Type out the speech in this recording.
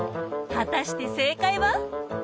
果たして正解は？